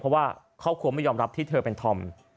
เพราะว่าครอบครัวไม่ยอมรับที่เธอเป็นธอม